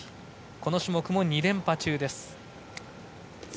この種目も２連覇中です。